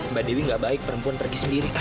mbak dewi gak baik perempuan pergi sendiri ah ya